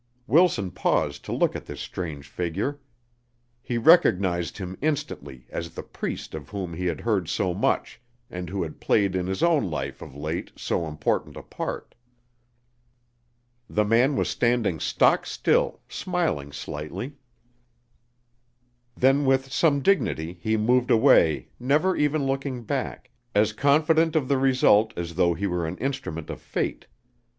Wilson paused to look at this strange figure. He recognized him instantly as the priest of whom he had heard so much and who had played in his own life of late so important a part. The man was standing stock still, smiling slightly. Then with some dignity he moved away never even looking back, as confident of the result as though he were an instrument of Fate.